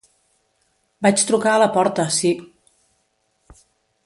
Vaig trucar a la porta, sí.